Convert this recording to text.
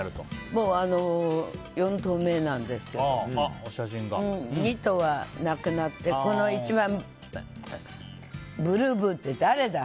もう４頭目なんですけど２頭は亡くなってこれ、ブルーブーって誰だ。